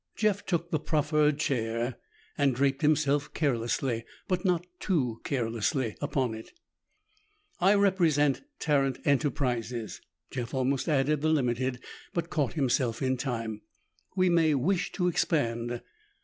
Jeff took the proffered chair and draped himself carelessly, but not too carelessly, upon it. "I represent Tarrant Enterprises," Jeff almost added the Ltd., but caught himself in time. "We may wish to expand."